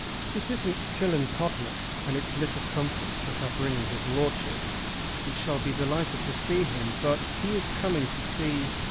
"It isn't Killancodlem and its little comforts that are bringing his lordship. We shall be delighted to see him; but he is coming to see